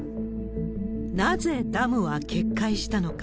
なぜダムは決壊したのか。